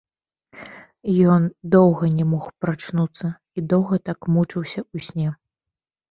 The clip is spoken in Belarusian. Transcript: Ён доўга не мог прачнуцца і доўга так мучыўся ў сне.